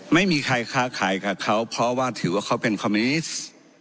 ไม่มีใครค้าขายกับเขาเพราะว่าถือว่าเขาเป็นคอมมิวนิสต์